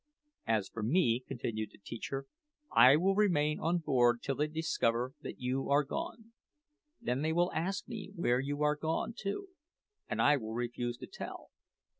"As for me," continued the teacher, "I will remain on board till they discover that you are gone. Then they will ask me where you are gone to, and I will refuse to tell."